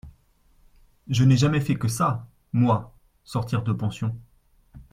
Je n’ai jamais fait que ça, moi, sortir de pension.